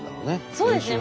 そうですね。